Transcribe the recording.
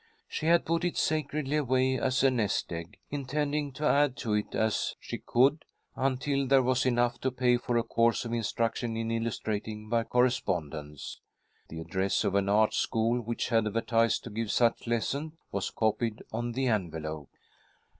She had put it sacredly away as a nest egg, intending to add to it as she could, until there was enough to pay for a course of instruction in illustrating, by correspondence. The address of an art school which advertised to give such lessons, was copied on the envelope.